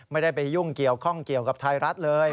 ไม่ได้ไปยุ่งเกี่ยวข้องเกี่ยวกับไทยรัฐเลย